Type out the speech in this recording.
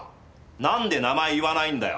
なんで名前言わないんだよ。